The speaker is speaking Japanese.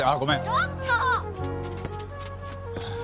ちょっと！